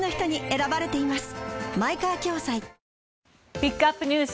ピックアップＮＥＷＳ